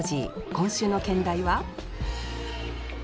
今週の兼題は？